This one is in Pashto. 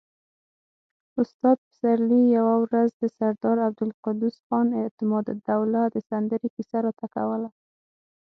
استاد پسرلي يوه ورځ د سردار عبدالقدوس خان اعتمادالدوله د سندرې کيسه راته کوله.